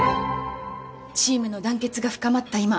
チームの団結が深まった